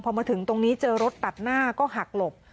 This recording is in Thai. พอมาถึงตรงนี้เจอรถตัดหน้าก็หักหลบ